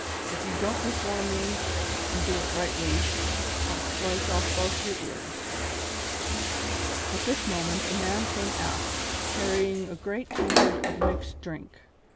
If you don't reform me, and do it rightly, I'll slice off both your ears." At this moment a man came aft, carrying a great tankard of mixed drink.